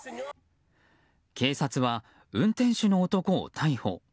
警察は、運転手の男を逮捕。